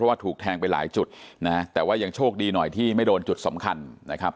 ว่าถูกแทงไปหลายจุดนะแต่ว่ายังโชคดีหน่อยที่ไม่โดนจุดสำคัญนะครับ